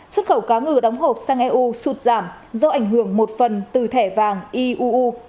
xuất khẩu cá ngừ đóng hộp sang eu sụt giảm do ảnh hưởng một phần từ thẻ vàng iuu